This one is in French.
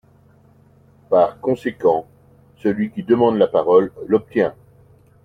Par conséquent, celui qui demande la parole l’obtient.